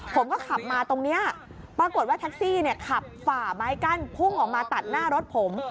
ผมก็ขับมาตรงนี้ปรากฏว่าแท็กซี่เนี่ยขับฝ่าไม้กั้นพุ่งออกมาตัดหน้ารถผม